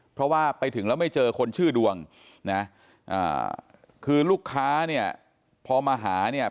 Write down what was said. เพราะว่าไปถึงแล้วไม่เจอคนชื่อดวงนะคือลูกค้าเนี่ยพอมาหาเนี่ย